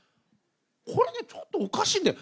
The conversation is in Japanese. これね、ちょっとおかしいんだよ！